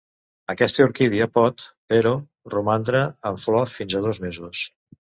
Aquesta orquídia pot, però, romandre en flor fins a dos mesos.